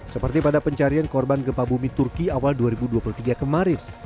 seperti pada pencarian korban gempa bumi turki awal dua ribu dua puluh tiga kemarin